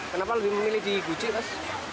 kenapa lebih memilih di guci mas